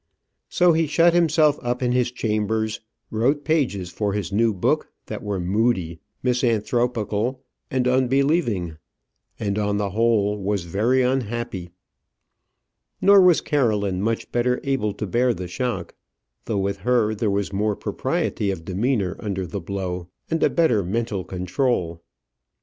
So he shut himself up in his chambers; wrote pages for his new book that were moody, misanthropical, and unbelieving; and on the whole was very unhappy. Nor was Caroline much better able to bear the shock; though with her there was more propriety of demeanour under the blow, and a better mental control.